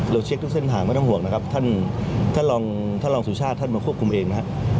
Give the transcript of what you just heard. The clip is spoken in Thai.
เราเช็คทุกเส้นทางไม่ต้องห่วงนะครับท่านรองสุชาติท่านมาควบคุมเองนะฮะ